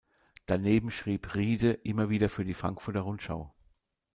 Daneben schrieb Riede immer wieder für die Frankfurter Rundschau.